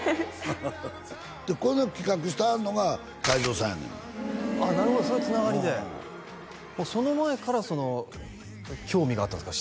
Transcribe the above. でこれの企画してはるのが海象さんやねんあっなるほどそういうつながりでその前から興味があったんですか？